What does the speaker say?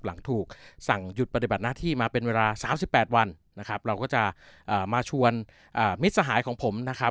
หลังถูกสั่งหยุดปฏิบัติหน้าที่มาเป็นเวลา๓๘วันนะครับเราก็จะมาชวนมิตรสหายของผมนะครับ